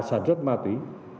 sản xuất ma túy